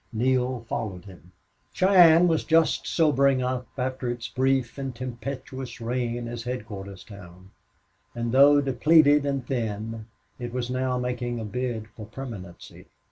Neale followed him. Cheyenne was just sobering up after its brief and tempestuous reign as headquarters town, and though depleted and thin, it was now making a bid for permanency.